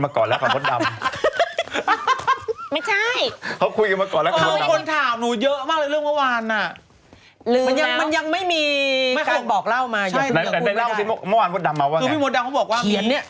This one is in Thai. ไม่ได้เล่าเอาสิมันว่าอาจมดดำมาว่าไง